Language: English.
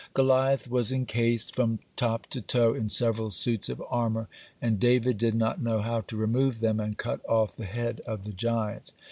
(43) Goliath was encased, from top to toe, in several suits of armor, and David did not know how to remove them and cut off the head of the giant.